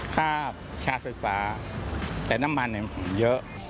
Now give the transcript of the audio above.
ค่าชาร์จไฟฟ้าแต่น้ำมันผมเยอะ